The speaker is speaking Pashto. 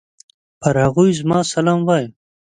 پر هغوی زما سلام وايه!